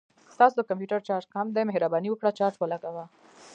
ستاسو د کمپوټر چارج کم دی، مهرباني وکړه چارج ولګوه